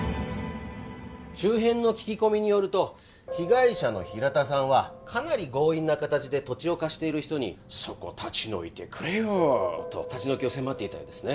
周辺の聞き込みによると被害者の平田さんはかなり強引な形で土地を貸している人に「そこ立ち退いてくれよ」と立ち退きを迫っていたようですね